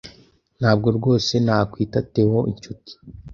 Ntabwo rwose nakwita Theo inshuti.